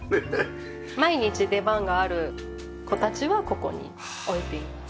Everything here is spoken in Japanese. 毎日出番がある子たちはここに置いています。